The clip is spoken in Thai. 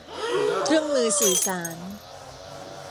เครื่องมือสื่อสาร